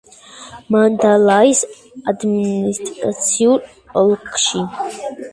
მანდალაის ადმინისტრაციულ ოლქში.